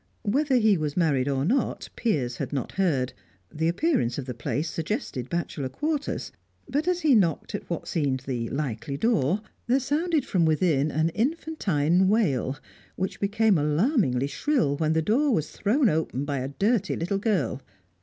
Whether he was married or not, Piers had not heard; the appearance of the place suggested bachelor quarters, but, as he knocked at what seemed the likely door, there sounded from within an infantine wail, which became alarmingly shrill when the door was thrown open by a dirty little girl.